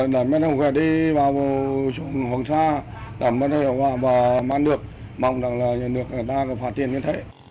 đảm bảo tất hiệu quả và mang được mong rằng là nhận được đảm bảo tất hiệu quả và mang được